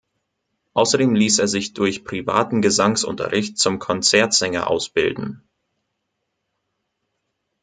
Außerdem ließ er sich durch privaten Gesangsunterricht zum Konzertsänger ausbilden.